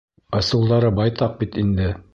Ысулдары байтаҡ бит инде.